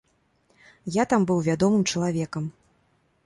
Я там быў вядомым чалавекам.